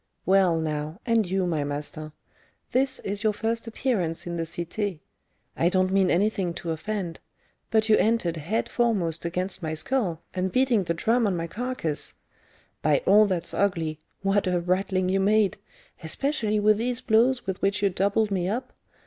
"Well, now, and you, my master, this is your first appearance in the Cité. I don't mean anything to offend; but you entered head foremost against my skull, and beating the drum on my carcass. By all that's ugly, what a rattling you made, especially with these blows with which you doubled me up!